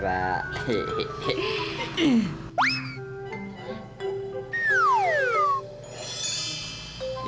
ih pada bengong sih